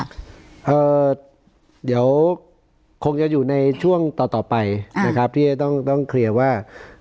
เดี๋ยวคงจะอยู่ในช่วงต่อต่อไปนะครับที่จะต้องต้องเคลียร์ว่า